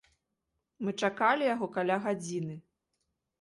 Мы чакалі яго каля гадзіны.